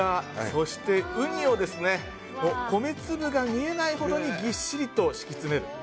そしてウニを米粒が見えないほどにぎっしりと敷き詰める。